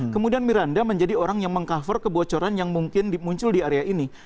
kemudian miranda menjadi orang yang meng cover kebocoran yang mungkin muncul di area ini